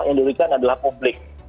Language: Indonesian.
yang dirugikan adalah publik